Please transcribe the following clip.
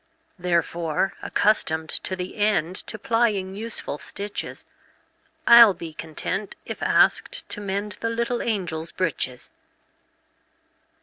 Therefore, accustomed to the endTo plying useful stitches,I 'll be content if asked to mendThe little angels' breeches.